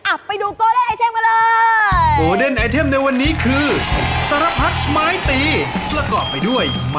อะไปดูโกเดนไอเทมกันเลย